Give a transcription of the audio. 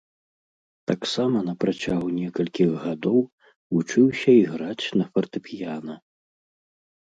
Таксама на працягу некалькіх гадоў вучыўся іграць на фартэпіяна.